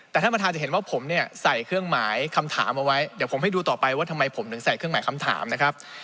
แต่ท่านประธานจะเห็นว่าผมเนี่ยใส่เครื่องหมายคำถามเอาไว้เดี๋ยวผมให้ดูต่อไปว่าทำไมผมถึงใส่เครื่องหมายคำถามนะครับ